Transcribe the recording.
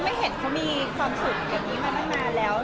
ก็ไม่เห็นเขามีความสุขแบบนี้มานานแล้ว